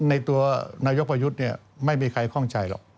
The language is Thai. ในตัวนายกว่ายุทธ์ไม่มีใครข้องใจหรอก